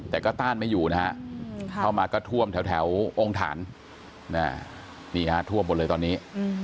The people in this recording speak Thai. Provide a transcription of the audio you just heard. แต่ก็ต้านไม่อยู่นะฮะเข้ามาก็ท่วมแถวองค์ฐานนี่ฮะท่วมหมดเลยตอนนี้